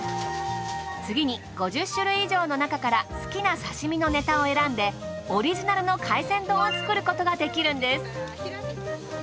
次に５０種類以上の中から好きな刺身のネタを選んでオリジナルの海鮮丼を作ることができるんです。